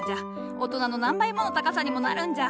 大人の何倍もの高さにもなるんじゃ。